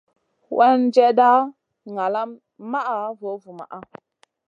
Weerdjenda nalam maʼa vovuma.